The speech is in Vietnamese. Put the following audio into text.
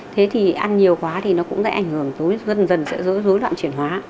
thế thì ăn nhiều quá thì nó cũng sẽ ảnh hưởng dần dần sẽ rối loạn chuyển hóa